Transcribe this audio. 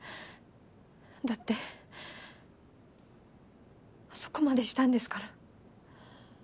だってあそこまでしたんですから。